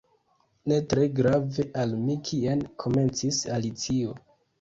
"Ne tre grave al mi kien " komencis Alicio.